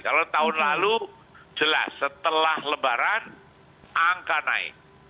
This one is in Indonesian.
kalau tahun lalu jelas setelah lebaran angka naik